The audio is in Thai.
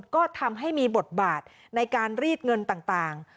ก็ทำให้มีบทบาทในการรีดเงินต่าง